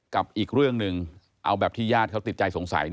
กับอีกเรื่องหนึ่งเอาแบบที่ญาติเขาติดใจสงสัย